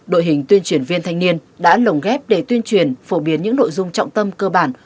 đội hình tuyên truyền viên thanh niên đã lồng ghép để tuyên truyền phổ biến những nội dung trọng tâm cơ bản